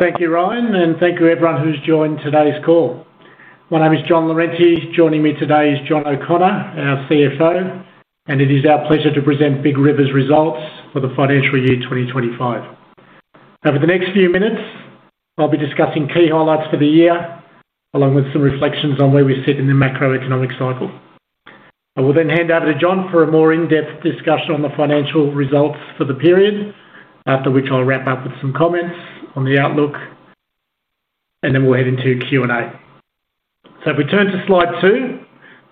Thank you, Ryan, and thank you, everyone, who's joined today's call. My name is John Lorente. Joining me today is John O'Connor, our CFO, and it is our pleasure to present Big River's results for the financial year 2025. Over the next few minutes, I'll be discussing key highlights for the year, along with some reflections on where we sit in the macroeconomic cycle. I will then hand over to John for a more in-depth discussion on the financial results for the period, after which I'll wrap up with some comments on the outlook, and then we'll head into Q&A. If we turn to slide two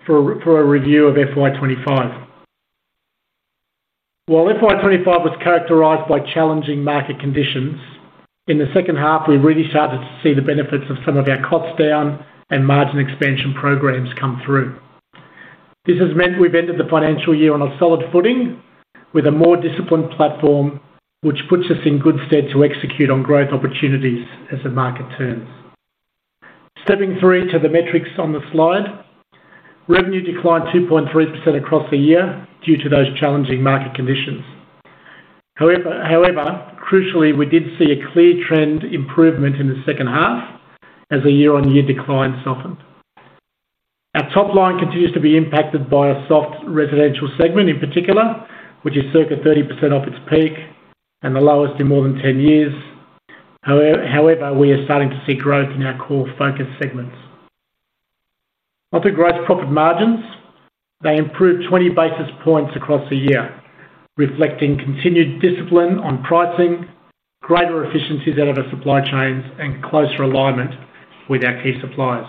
for a review of FY 2025. While FY 2025 was characterized by challenging market conditions, in the second half, we really started to see the benefits of some of our cost down and margin expansion programs come through. This has meant we've entered the financial year on a solid footing, with a more disciplined platform, which puts us in good stead to execute on growth opportunities as the market turns. Stepping through to the metrics on the slide, revenue declined 2.3% across the year due to those challenging market conditions. However, crucially, we did see a clear trend improvement in the second half as the year-on-year decline softened. Our top line continues to be impacted by a soft residential segment in particular, which is circa 30% off its peak and the lowest in more than 10 years. However, we are starting to see growth in our core focus segments. Onto gross profit margins, they improved 20 basis points across the year, reflecting continued discipline on pricing, greater efficiencies out of our supply chains, and closer alignment with our key suppliers.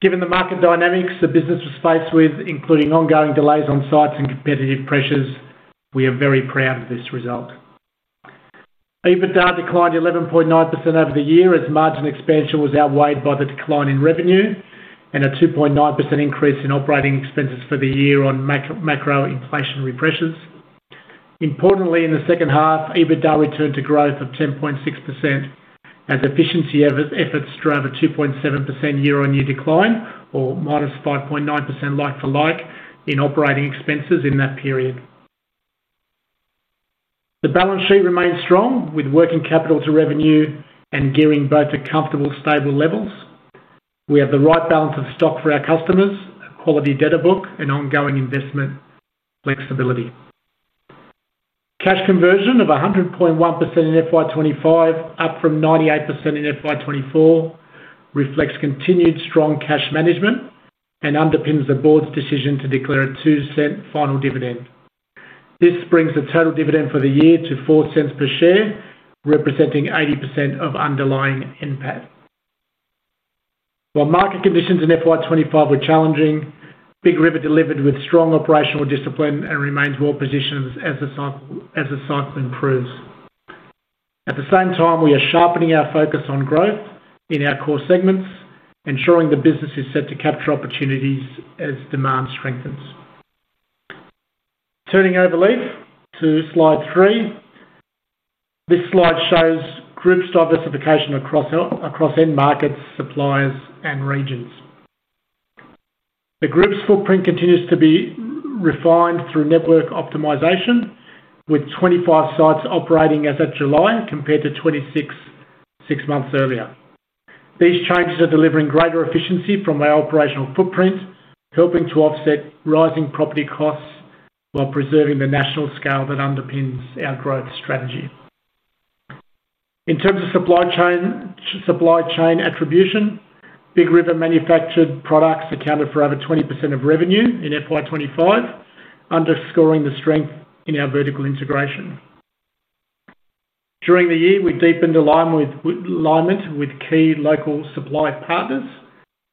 Given the market dynamics the business was faced with, including ongoing delays on sites and competitive pressures, we are very proud of this result. EBITDA declined 11.9% over the year as margin expansion was outweighed by the decline in revenue and a 2.9% increase in operating expenses for the year on macroinflationary pressures. Importantly, in the second half, EBITDA returned to growth of 10.6%, as efficiency efforts drove a 2.7% year-on-year decline, or minus 5.9% like-for-like, in operating expenses in that period. The balance sheet remains strong, with working capital to revenue and gearing both at comfortable, stable levels. We have the right balance of stock for our customers, a quality debit book, and ongoing investment flexibility. Cash conversion of 100.1% in FY 2025, up from 98% in FY 2024, reflects continued strong cash management and underpins the board's decision to declare a $0.02 final dividend. This brings the total dividend for the year to $0.04 per share, representing 80% of underlying impact. While market conditions inFY 2025 were challenging, Big River delivered with strong operational discipline and remains well-positioned as the cycle improves. At the same time, we are sharpening our focus on growth in our core segments, ensuring the business is set to capture opportunities as demand strengthens. Turning over, Leif, to slide three. This slide shows the group's diversification across end markets, suppliers, and regions. The group's footprint continues to be refined through network optimization, with 25 sites operating as at July compared to 26 six months earlier. These changes are delivering greater efficiency from our operational footprint, helping to offset rising property costs while preserving the national scale that underpins our growth strategy. In terms of supply chain attribution, Big River manufactured products accounted for over 20% of revenue in FY 2025, underscoring the strength in our vertical integration. During the year, we deepened alignment with key local supply partners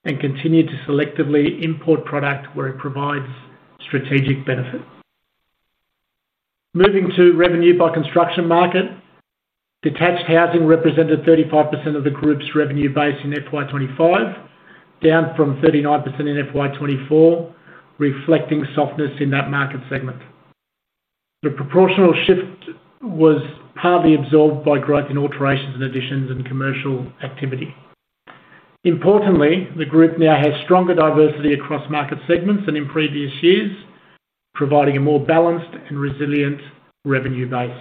and continued to selectively import product where it provides strategic benefits. Moving to revenue by construction market, detached housing represented 35% of the group's revenue base in FY 2025, down from 39% in FY 2024, reflecting softness in that market segment. The proportional shift was partly absorbed by growth in alterations and additions in commercial activity. Importantly, the group now has stronger diversity across market segments than in previous years, providing a more balanced and resilient revenue base.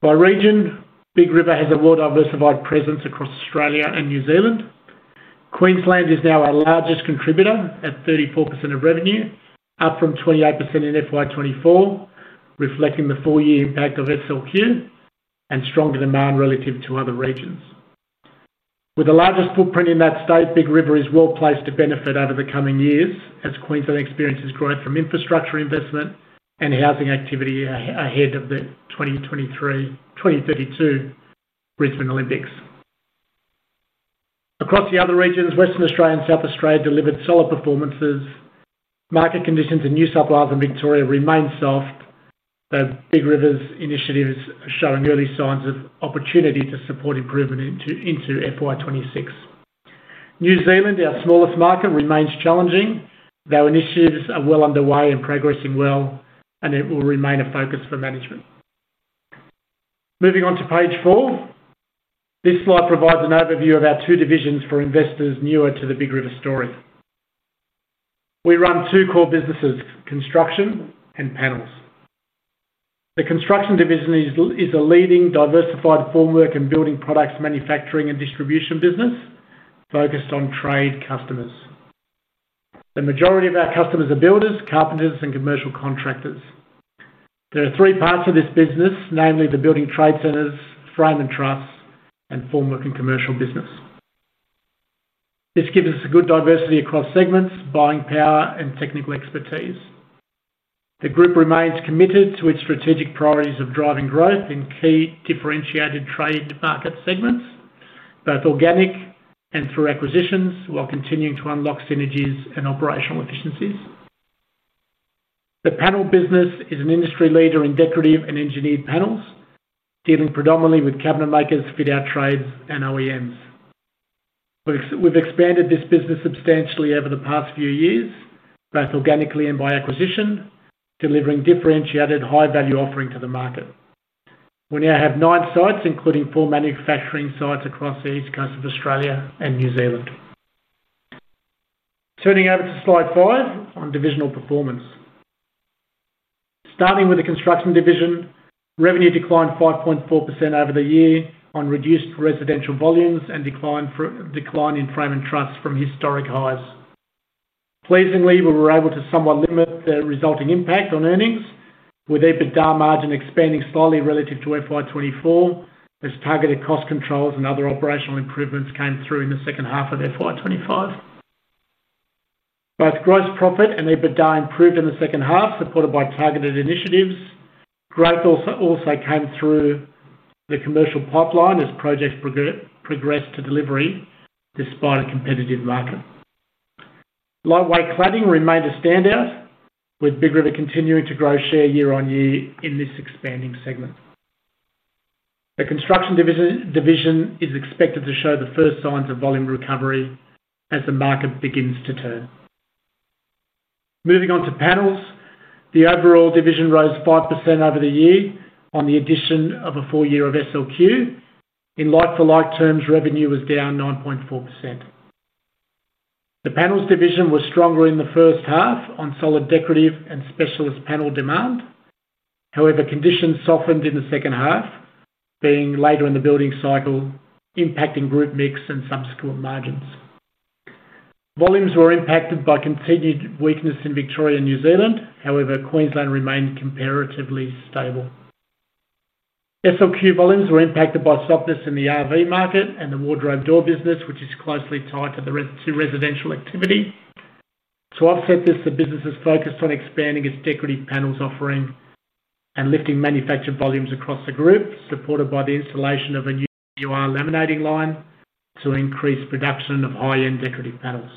By region, Big River has a well-diversified presence across Australia and New Zealand. Queensland is now our largest contributor at 34% of revenue, up from 28% in FY 2024, reflecting the four-year impact of its SLQ and stronger demand relative to other regions. With the largest footprint in that state, Big River is well placed to benefit over the coming years, as Queensland experiences growth from infrastructure investment and housing activity ahead of the 2023-2032 Brisbane Olympics. Across the other regions, Western Australia and South Australia delivered solid performances. Market conditions and new suppliers in Victoria remain soft, though Big River's initiatives are showing early signs of opportunity to support improvement into FY 2026. New Zealand, our smallest market, remains challenging, though initiatives are well underway and progressing well, and it will remain a focus for management. Moving on to page four, this slide provides an overview of our two divisions for investors newer to the Big River stories. We run two core businesses: construction and panels. The construction division is a leading diversified formwork and building products manufacturing and distribution business focused on trade customers. The majority of our customers are builders, carpenters, and commercial contractors. There are three parts of this business, namely the building trade centres, frame and truss, and formwork and commercial business. This gives us a good diversity across segments, buying power, and technical expertise. The group remains committed to its strategic priorities of driving growth in key differentiated trade market segments, both organic and through acquisitions, while continuing to unlock synergies and operational efficiencies. The panel business is an industry leader in decorative and engineered panels, dealing predominantly with cabinet makers, fit-out trades, and OEMs. We've expanded this business substantially over the past few years, both organically and by acquisition, delivering differentiated high-value offering to the market. We now have nine sites, including four manufacturing sites across the East Coast of Australia and New Zealand. Turning over to slide five on divisional performance. Starting with the construction division, revenue declined 5.4% over the year on reduced residential volumes and decline in frame and truss from historic highs. Pleasingly, we were able to somewhat limit the resulting impact on earnings, with EBITDA margin expanding slightly relative to FY 2024, as targeted cost controls and other operational improvements came through in the second half of FY 2025. Both gross profit and EBITDA improved in the second half, supported by targeted initiatives. Growth also came through the commercial pipeline as projects progressed to delivery, despite a competitive market. Lightweight cladding remained a standout, with Big River continuing to grow share year-on-year in this expanding segment. The construction division is expected to show the first signs of volume recovery as the market begins to turn. Moving on to panels, the overall division rose 5% over the year on the addition of a full year of SLQ. In like-for-like terms, revenue was down 9.4%. The panels division was stronger in the first half on solid decorative and specialist panel demand. However, conditions softened in the second half, being later in the building cycle, impacting group mix and subsequent margins. Volumes were impacted by continued weakness in Victoria and New Zealand. However, Queensland remained comparatively stable. SLQ volumes were impacted by softness in the RV market and the wardrobe door business, which is closely tied to residential activity. To offset this, the business is focused on expanding its decorative panels offering and lifting manufactured volumes across the group, supported by the installation of a new PUR laminating line to increase production of high-end decorative panels.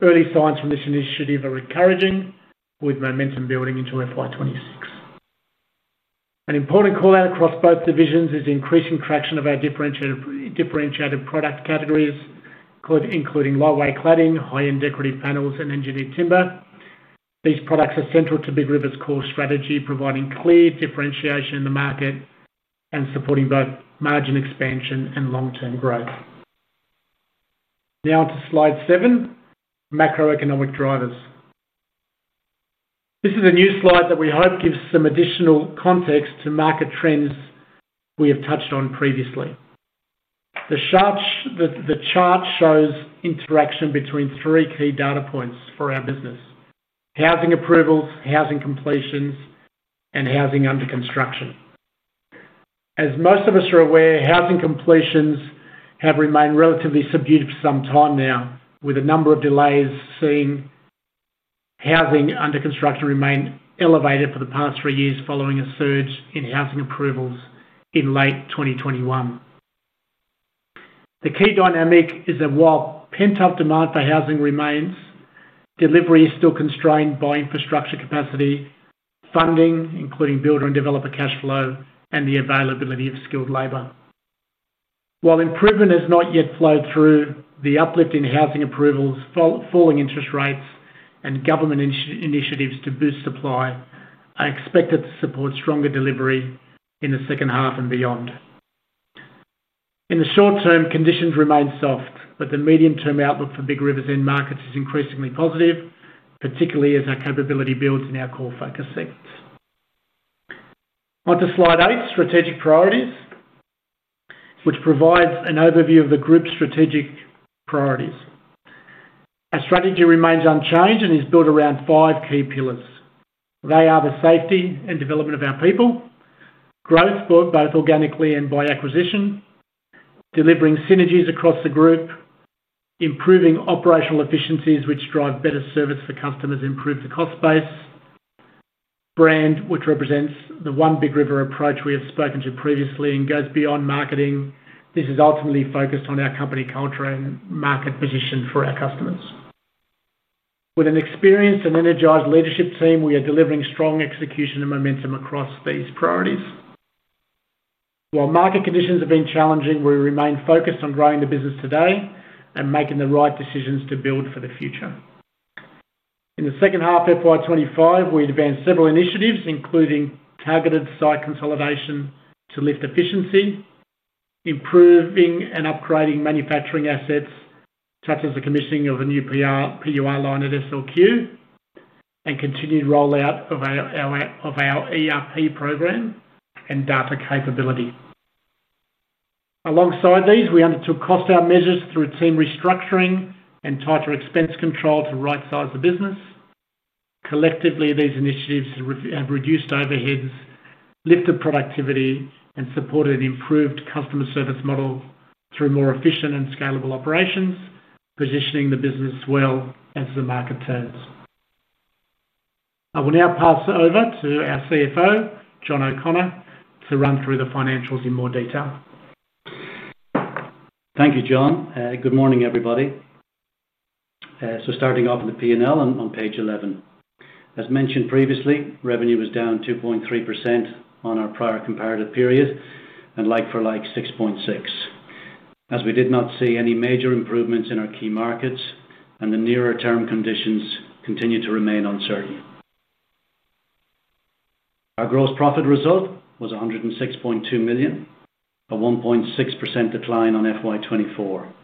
Early signs from this initiative are encouraging, with momentum building into FY 2026. An important call out across both divisions is increasing traction of our differentiated product categories, including lightweight cladding, high-end decorative panels, and engineered timber. These products are central to Big River's core strategy, providing clear differentiation in the market and supporting both margin expansion and long-term growth. Now on to slide seven, macroeconomic drivers. This is a new slide that we hope gives some additional context to market trends we have touched on previously. The chart shows interaction between three key data points for our business: housing approvals, housing completions, and housing under construction. As most of us are aware, housing completions have remained relatively subdued for some time now, with a number of delays seen. Housing under construction remained elevated for the past three years following a surge in housing approvals in late 2021. The key dynamic is that while pent-up demand for housing remains, delivery is still constrained by infrastructure capacity, funding, including builder and developer cash flow, and the availability of skilled labor. While improvement has not yet flowed through, the uplift in housing approvals, falling interest rates, and government initiatives to boost supply are expected to support stronger delivery in the second half and beyond. In the short term, conditions remain soft, but the medium-term outlook for Big River's end markets is increasingly positive, particularly as our capability builds in our core focus sectors. Onto slide eight, strategic priorities, which provides an overview of the group's strategic priorities. Our strategy remains unchanged and is built around five key pillars. They are the safety and development of our people, growth both organically and by acquisition, delivering synergies across the group, improving operational efficiencies which drive better service for customers, improve the cost base, brand which represents the one Big River approach we have spoken to previously and goes beyond marketing. This is ultimately focused on our company culture and market position for our customers. With an experienced and energized leadership team, we are delivering strong execution and momentum across these priorities. While market conditions have been challenging, we remain focused on growing the business today and making the right decisions to build for the future. In the second half of FY 2025, we advanced several initiatives, including targeted site consolidation to lift efficiency, improving and upgrading manufacturing assets, such as the commissioning of a new PUR laminating line at SLQ, and continued rollout of our ERP program and data capability. Alongside these, we undertook cost out measures through team restructuring and tighter expense control to right-size the business. Collectively, these initiatives have reduced overheads, lifted productivity, and supported an improved customer service model through more efficient and scalable operations, positioning the business well as the market tells. I will now pass over to our CFO, John O'Connor, to run through the financials in more detail. Thank you, John. Good morning, everybody. Starting off in the P&L on page 11. As mentioned previously, revenue was down 2.3% on our prior comparative period and like-for-like 6.6%. As we did not see any major improvements in our key markets, the nearer-term conditions continue to remain uncertain. Our gross profit result was $106.2 million, a 1.6% decline on FY 2024.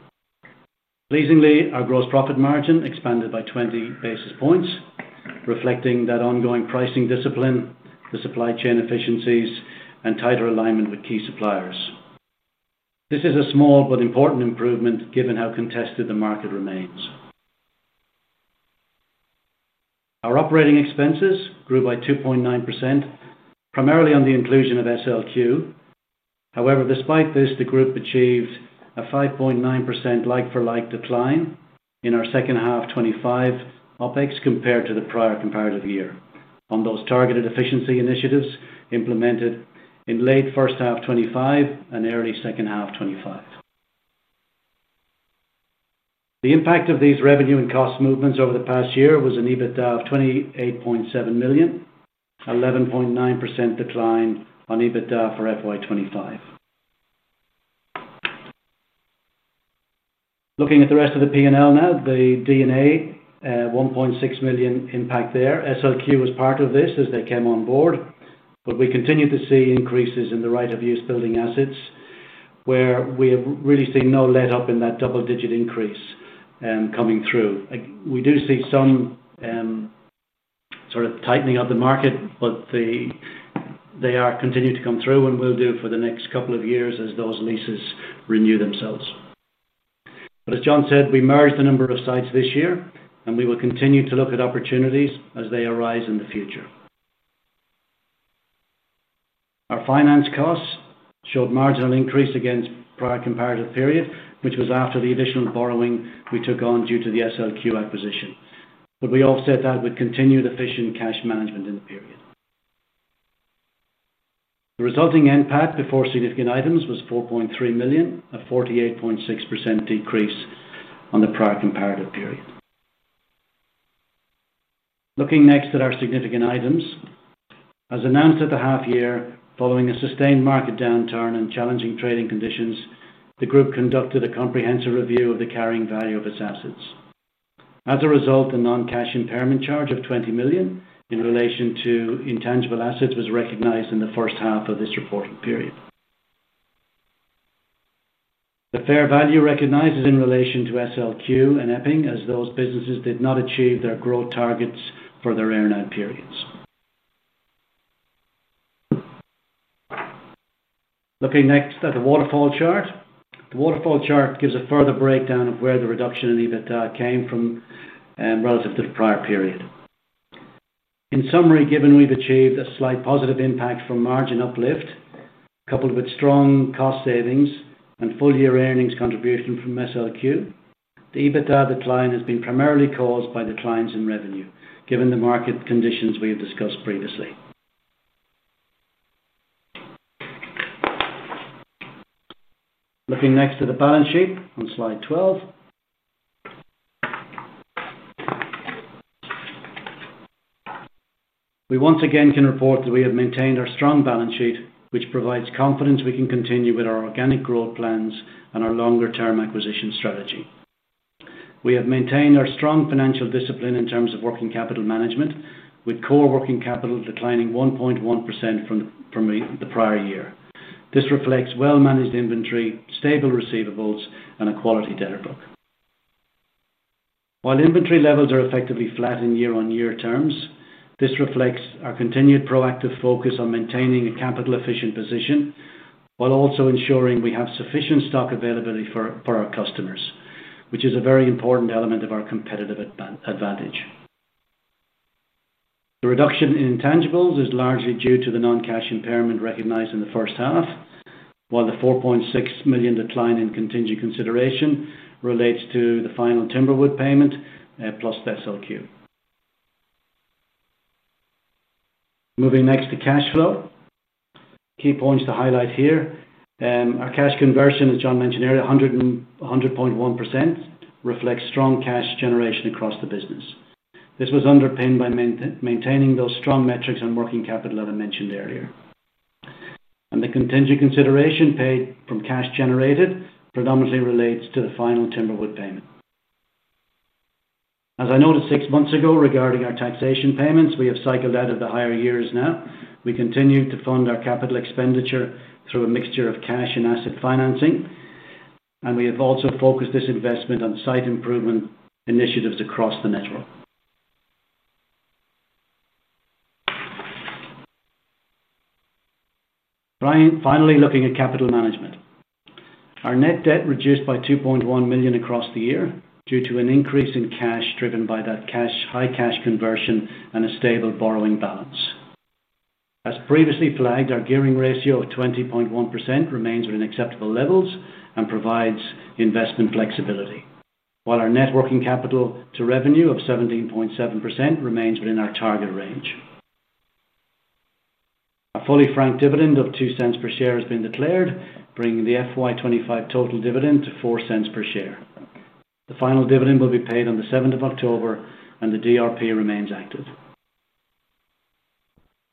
Pleasingly, our gross profit margin expanded by 20 basis points, reflecting that ongoing pricing discipline, the supply chain efficiencies, and tighter alignment with key suppliers. This is a small but important improvement given how contested the market remains. Our operating expenses grew by 2.9%, primarily on the inclusion of SLQ. However, despite this, the group achieved a 5.9% like-for-like decline in our second half of 2025 OpEx compared to the prior comparative year on those targeted efficiency initiatives implemented in late first half of 2025 and early second half of 2025. The impact of these revenue and cost movements over the past year was an EBITDA of $28.7 million, 11.9% decline on EBITDA for FY 2025. Looking at the rest of the P&L now, the D&A, $1.6 million impact there. SLQ was part of this as they came on board, but we continue to see increases in the right-of-use building assets where we are really seeing no let-up in that double-digit increase coming through. We do see some sort of tightening of the market, they continue to come through and will do for the next couple of years as those leases renew themselves. As John said, we merged a number of sites this year, and we will continue to look at opportunities as they arise in the future. Our finance costs showed a marginal increase against the prior comparative period, which was after the additional borrowing we took on due to the SLQ acquisition. We offset that with continued efficient cash management in the period. The resulting NPAT before significant items was $4.3 million, a 48.6% decrease on the prior comparative period. Looking next at our significant items, as announced at the half-year following a sustained market downturn and challenging trading conditions, the group conducted a comprehensive review of the carrying value of its assets. As a result, a non-cash impairment charge of $20 million in relation to intangible assets was recognized in the first half of this reported period. The fair value recognized is in relation to SLQ and Epping as those businesses did not achieve their growth targets for their earnout periods. Looking next at the waterfall chart, the waterfall chart gives a further breakdown of where the reduction in EBITDA came from relative to the prior period. In summary, given we've achieved a slight positive impact from margin uplift, coupled with strong cost savings and full-year earnings contribution from SLQ, the EBITDA decline has been primarily caused by declines in revenue, given the market conditions we have discussed previously. Looking next to the balance sheet on slide 12, we once again can report that we have maintained our strong balance sheet, which provides confidence we can continue with our organic growth plans and our longer-term acquisition strategy. We have maintained our strong financial discipline in terms of working capital management, with core working capital declining 1.1% from the prior year. This reflects well-managed inventory, stable receivables, and a quality debit book. While inventory levels are effectively flat in year-on-year terms, this reflects our continued proactive focus on maintaining a capital-efficient position while also ensuring we have sufficient stock availability for our customers, which is a very important element of our competitive advantage. The reduction in intangibles is largely due to the non-cash impairment recognized in the first half, while the $4.6 million decline in contingent consideration relates to the final Timberwood payment plus SLQ. Moving next to cash flow, key points to highlight here, our cash conversion, as John mentioned earlier, 100.1% reflects strong cash generation across the business. This was underpinned by maintaining those strong metrics on working capital that I mentioned earlier. The contingent consideration paid from cash generated predominantly relates to the final Timberwood payment. As I noted six months ago regarding our taxation payments, we have cycled out of the higher years now. We continue to fund our capital expenditure through a mixture of cash and asset financing, and we have also focused this investment on site improvement initiatives across the network. Finally, looking at capital management, our net debt reduced by $2.1 million across the year due to an increase in cash driven by that high cash conversion and a stable borrowing balance. As previously flagged, our gearing ratio of 20.1% remains within acceptable levels and provides investment flexibility, while our net working capital to revenue of 17.7% remains within our target range. A fully franked dividend of $0.02 per share has been declared, bringing the FY 2025 total dividend to $0.04 per share. The final dividend will be paid on the 7th of October, and the DRP remains active.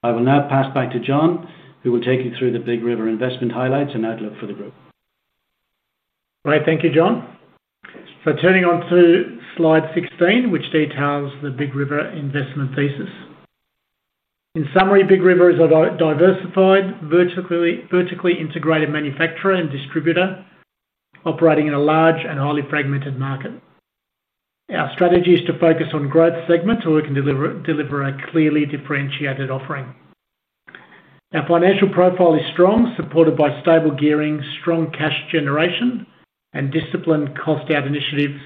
I will now pass back to John, who will take you through the Big River investment highlights and outlook for the group. All right, than`k you, John, for turning on to slide 16, which details the Big River investment thesis. In summary, Big River is a diversified, vertically integrated manufacturer and distributor operating in a large and highly fragmented market. Our strategy is to focus on growth segments so we can deliver a clearly differentiated offering. Our financial profile is strong, supported by stable gearing, strong cash generation, and disciplined cost-out initiatives.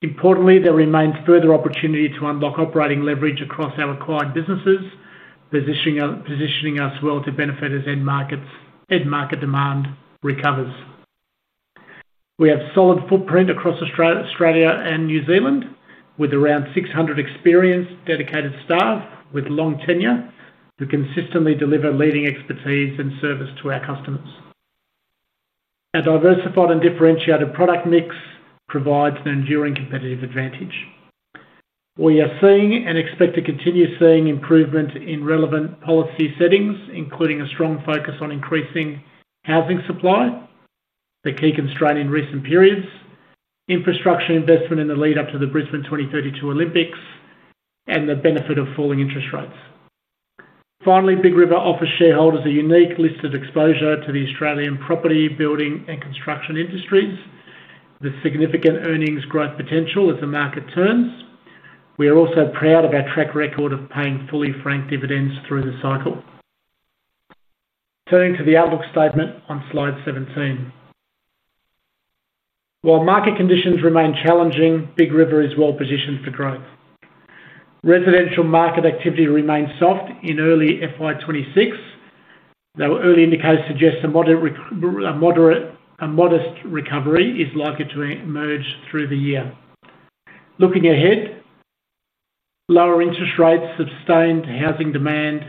Importantly, there remains further opportunity to unlock operating leverage across our acquired businesses, positioning us well to benefit as end market demand recovers. We have a solid footprint across Australia and New Zealand, with around 600 experienced, dedicated staff with long tenure to consistently deliver leading expertise and service to our customers. A diversified and differentiated product mix provides an enduring competitive advantage. We are seeing and expect to continue seeing improvement in relevant policy settings, including a strong focus on increasing housing supply, the key constraint in recent periods, infrastructure investment in the lead-up to the Brisbane 2032 Olympics, and the benefit of falling interest rates. Finally, Big River offers shareholders a unique list of exposure to the Australian property, building, and construction industries, with significant earnings growth potential as the market turns. We are also proud of our track record of paying fully franked dividends through the cycle. Turning to the outlook statement on slide 17. While market conditions remain challenging, Big River is well positioned for growth. Residential market activity remains soft in early FY 2026, though early indicators suggest a modest recovery is likely to emerge through the year. Looking ahead, lower interest rates, sustained housing demand,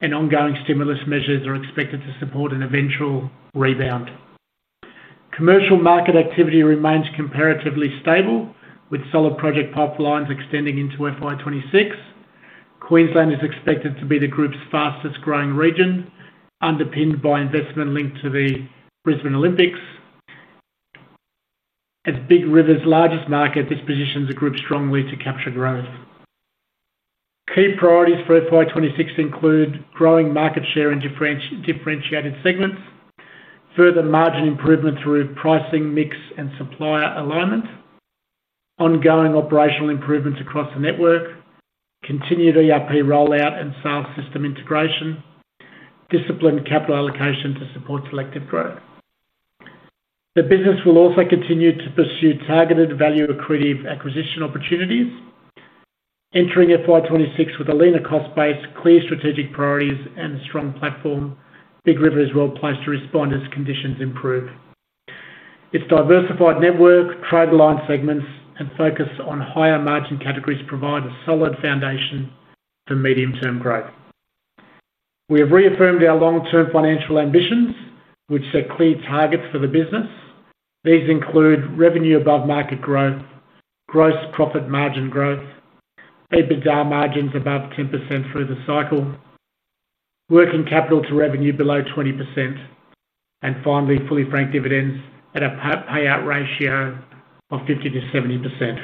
and ongoing stimulus measures are expected to support an eventual rebound. Commercial market activity remains comparatively stable, with solid project pipelines extending into FY 2026. Queensland is expected to be the group's fastest growing region, underpinned by investment linked to the Brisbane Olympics. As Big River's largest market, this positions the group strongly to capture growth. Key priorities for FY 2026 include growing market share in differentiated segments, further margin improvement through pricing mix and supplier alignment, ongoing operational improvements across the network, continued ERP rollout and SAL system integration, and disciplined capital allocation to support selective growth. The business will also continue to pursue targeted value-acquisition opportunities, entering FY 2026 with a leaner cost base, clear strategic priorities, and a strong platform. Big River is well placed to respond as conditions improve. Its diversified network, trade-aligned segments, and focus on higher margin categories provide a solid foundation for medium-term growth. We have reaffirmed our long-term financial ambitions, which set clear targets for the business. These include revenue above market growth, gross profit margin growth, EBITDA margins above 10% through the cycle, working capital to revenue below 20%, and finally, fully franked dividends at a payout ratio of 50%-70%.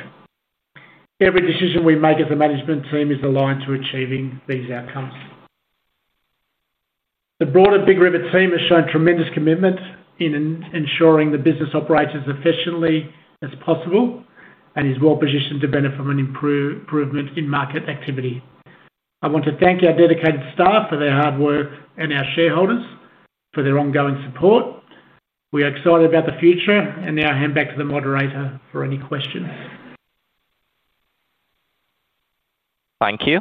Every decision we make as a management team is aligned to achieving these outcomes. The broader Big River team has shown tremendous commitment in ensuring the business operates as efficiently as possible and is well positioned to benefit from an improvement in market activity. I want to thank our dedicated staff for their hard work and our shareholders for their ongoing support. We are excited about the future, and now hand back to the moderator for any questions. Thank you.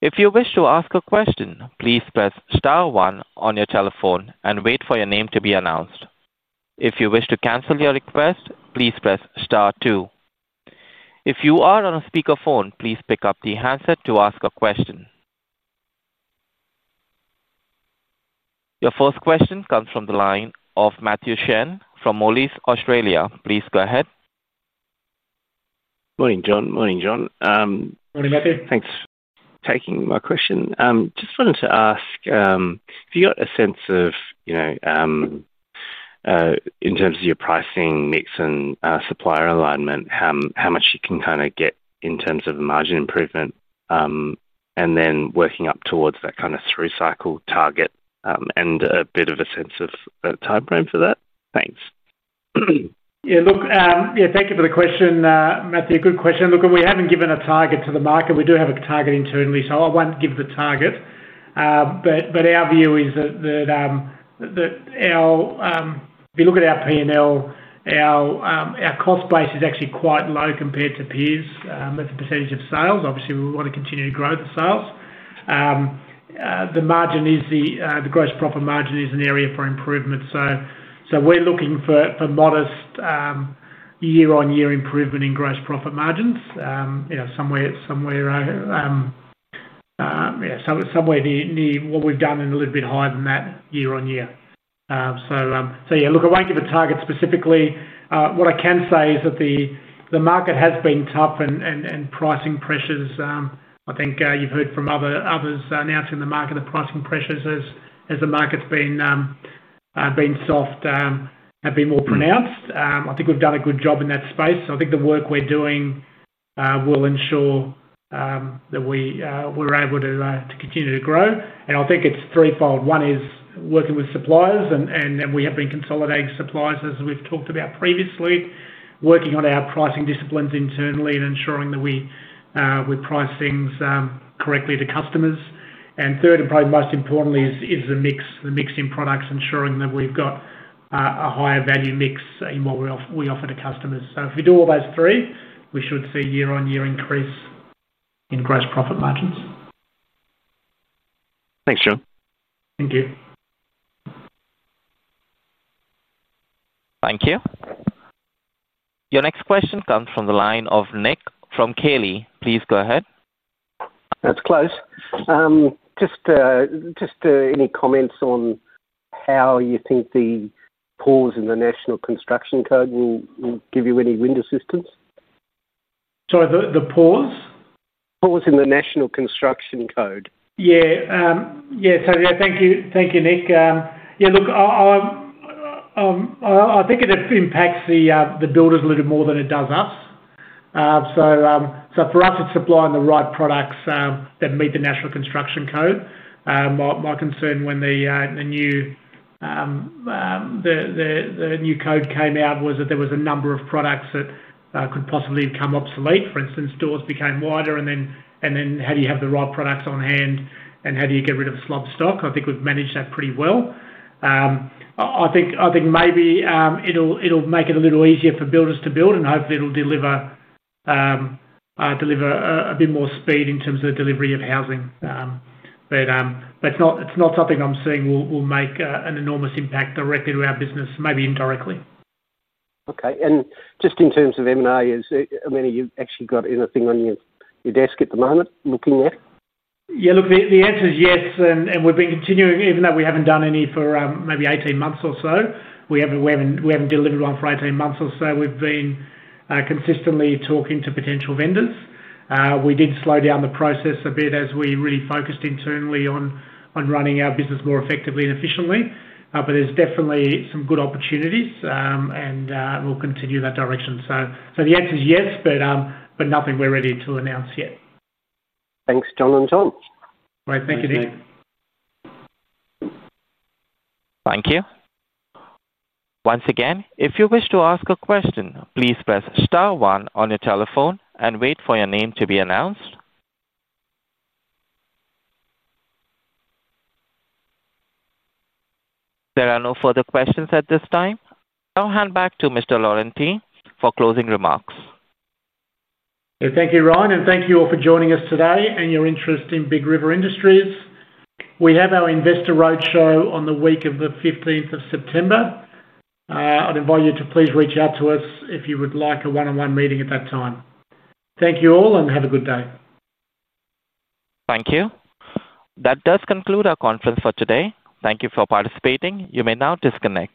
If you wish to ask a question, please press Star, one on your telephone and wait for your name to be announced. If you wish to cancel your request, please press Star, two. If you are on a speakerphone, please pick up the handset to ask a question. Your first question comes from the line of Matthew Shen from Molise, Australia. Please go ahead. Morning, John. Morning, John. Morning, Matthew. Thanks for taking my question. Just wanted to ask, have you got a sense of, you know, in terms of your pricing mix and supplier alignment, how much you can kind of get in terms of a margin improvement and then working up towards that kind of through cycle target and a bit of a sense of a timeframe for that? Thanks. Yeah, thank you for the question, Matthew. Good question. We haven't given a target to the market. We do have a target internally, so I won't give the target. Our view is that if you look at our P&L, our cost base is actually quite low compared to peers as a percentage of sales. Obviously, we want to continue to grow the sales. The gross profit margin is an area for improvement. We're looking for modest year-on-year improvement in gross profit margins, somewhere near what we've done and a little bit higher than that year-on-year. I won't give a target specifically. What I can say is that the market has been tough and pricing pressures. I think you've heard from others announcing the market, the pricing pressures as the market's been soft have been more pronounced. I think we've done a good job in that space. I think the work we're doing will ensure that we're able to continue to grow. I think it's threefold. One is working with suppliers, and we have been consolidating suppliers as we've talked about previously, working on our pricing disciplines internally and ensuring that we price things correctly to customers. Third, and probably most importantly, is the mix in products, ensuring that we've got a higher value mix in what we offer to customers. If we do all those three, we should see a year-on-year increase in gross profit margins. Thanks, John. Thank you. Thank you. Your next question comes from the line of Nick from Keeley. Please go ahead. That's close. Any comments on how you think the pause in the National Construction Code will give you any wind assistance? Sorry, the pause? Pause in the National Construction Code. Thank you, Nick. I think it impacts the builders a little more than it does us. For us, it's supplying the right products that meet the National Construction Code. My concern when the new code came out was that there were a number of products that could possibly become obsolete. For instance, stores became wider, and then how do you have the right products on hand and how do you get rid of slow stock? I think we've managed that pretty well. I think maybe it'll make it a little easier for builders to build, and hopefully it'll deliver a bit more speed in terms of the delivery of housing. It's not something that I'm seeing will make an enormous impact directly to our business, maybe indirectly. Okay. Just in terms of M&A, is it, I mean, you've actually got anything on your desk at the moment looking there? Yeah, look, the answer is yes. We've been continuing, even though we haven't done any for maybe 18 months or so, we haven't delivered one for 18 months or so. We've been consistently talking to potential vendors. We did slow down the process a bit as we really focused internally on running our business more effectively and efficiently. There's definitely some good opportunities, and we'll continue that direction. The answer is yes, but nothing we're ready to announce yet. Thanks, John Lorente and John O'Connor. Great. Thank you, Nick. Thank you. Once again, if you wish to ask a question, please press Star, one on your telephone and wait for your name to be announced. There are no further questions at this time. I'll hand back to Mr. Lorente for closing remarks. Thank you, Ryan, and thank you all for joining us today and your interest in Big River Industries. We have our Investor Roadshow on the week of the 15th of September. I'd invite you to please reach out to us if you would like a one-on-one meeting at that time. Thank you all and have a good day. Thank you. That does conclude our conference for today. Thank you for participating. You may now disconnect.